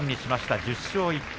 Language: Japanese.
１０勝１敗。